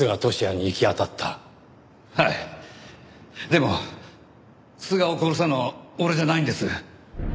でも須賀を殺したのは俺じゃないんです。